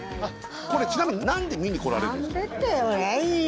これちなみに何で見に来られるんですか？